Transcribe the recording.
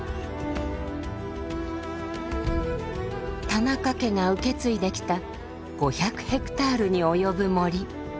田中家が受け継いできた５００ヘクタールに及ぶ森。